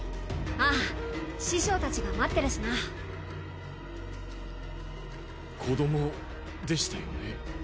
あ師匠達が待ってるしな子供でしたよね